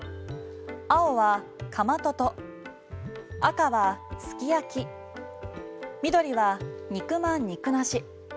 青は、かまとと赤は、すき焼き緑は、肉まん肉なし。